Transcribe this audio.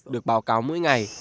được báo cáo mỗi ngày